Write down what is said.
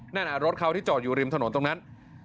นั่นรถเขาที่จอดอยู่ริมถนนตรงนั้น